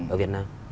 ở việt nam